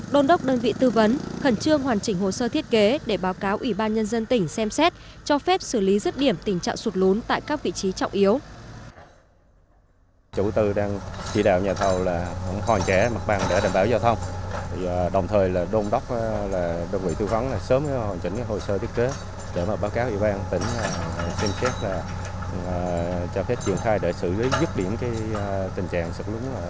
đôn đốc đơn vị tư vấn khẩn trương hoàn chỉnh hồ sơ thiết kế để báo cáo ủy ban nhân dân tỉnh xem xét cho phép xử lý rứt điểm tình trạng sụt lốn tại các vị trí trọng yếu